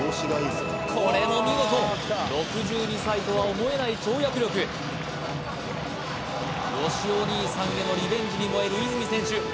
これも見事６２歳とは思えない跳躍力よしお兄さんへのリベンジに燃える泉選手